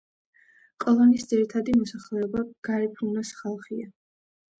კოლონის ძირითადი მოსახლეობა გარიფუნას ხალხია.